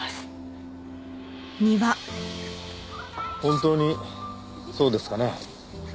本当にそうですかね？